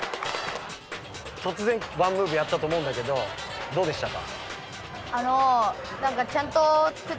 とつぜん１ムーブやったと思うんだけどどうでしたか？